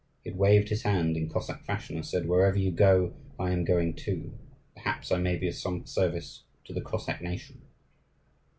He had waved his hand in Cossack fashion, and said, "Wherever you go, I am going too; perhaps I may be of some service to the Cossack nation."